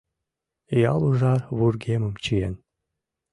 Ял ужар вургемым чиен.